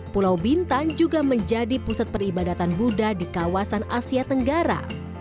pulau bintan juga menjadi pusat peribadatan buddha di kawasan asia tenggara